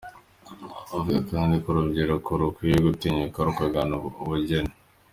Avuga kandi ko urubyiruko rukwiye gutinyuka rukagana ubugeni.